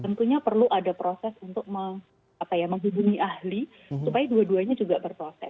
tentunya perlu ada proses untuk menghubungi ahli supaya dua duanya juga berproses